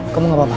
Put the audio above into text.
kamu gak apa apa